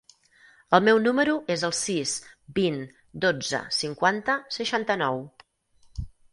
El meu número es el sis, vint, dotze, cinquanta, seixanta-nou.